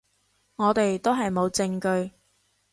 我哋都係冇證據